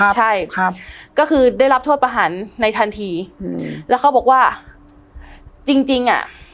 ใช่ครับก็คือได้รับโทษประหารในทันทีอืมแล้วเขาบอกว่าจริงจริงอ่ะ